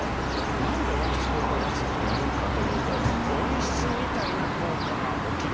なんで温室効果ガスっていうかというと温室みたいな効果が起きるからなんですよ。